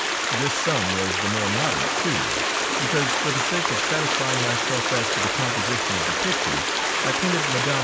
This sum was the more moderate, too, because, for the sake of satisfying myself as to the composition of the picture, I painted Mme.